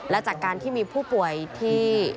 และจากการที่มีผู้ป่วยที่มารับมาขึ้นทุกเดือนทุกเดือนเนี่ยนะคะ